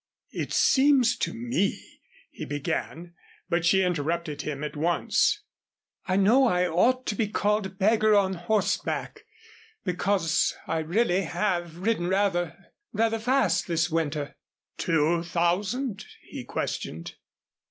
"It seems to me " he began. But she interrupted him at once. "I know I ought to be called a beggar on horseback, because I really have ridden rather rather fast this winter " "Two thousand?" he questioned.